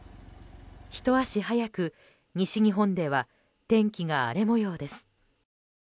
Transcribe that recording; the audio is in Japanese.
ひと足早く西日本では天気が荒れ模様です。